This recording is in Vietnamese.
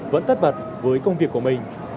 vẫn tất bật với công việc của mình